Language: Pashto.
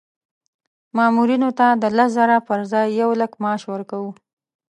مامورینو ته د لس زره پر ځای یو لک معاش ورکوو.